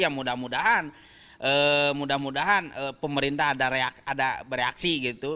ya mudah mudahan mudah mudahan pemerintah ada bereaksi gitu